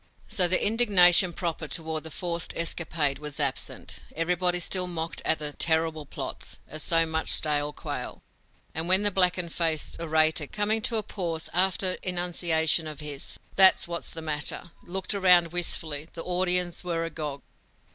So the indignation proper toward the forced escapade was absent; everybody still mocked at the "terrible plots," as so much stale quail, and when the blackened face orator, coming to a pause after enunciation of his "That's what's the matter" looked around wistfully, the audience were agog.